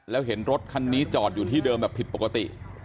แล้วเห็นรถคันนี้จอดอยู่ที่เดิมแบบผิดปกติ